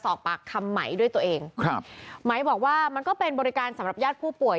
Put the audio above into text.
สอบปากคำไหมด้วยตัวเองครับไหมบอกว่ามันก็เป็นบริการสำหรับญาติผู้ป่วย